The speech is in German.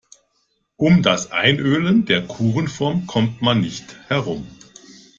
Um das Einölen der Kuchenform kommt man nicht herum.